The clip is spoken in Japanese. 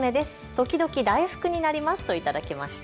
時々大福になりますと頂きました。